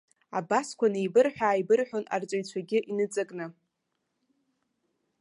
Абасқәа неибырҳәо-ааибырҳәон арҵаҩцәагьы иныҵакны.